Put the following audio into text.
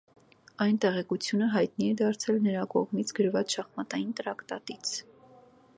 Այդ տեղեկությունը հայտնի է դարձել նրա կողմից գրված շախմատային տրակտատից։